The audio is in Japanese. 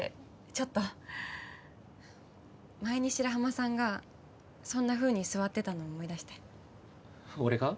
ちょっと前に白浜さんがそんなふうに座ってたのを思い出して俺が？